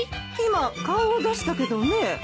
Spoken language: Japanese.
今顔を出したけどね。